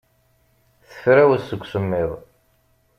Tefrawes seg usemmiḍ.